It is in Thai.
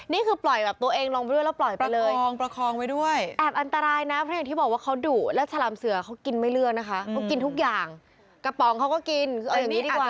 นี่คือปล่อยแบบตัวเองลงไปด้วยแล้วปล่อยประคองประคองไว้ด้วยแอบอันตรายนะเพราะอย่างที่บอกว่าเขาดุแล้วฉลามเสือเขากินไม่เลือกนะคะเขากินทุกอย่างกระป๋องเขาก็กินคือเอาอย่างนี้ดีกว่า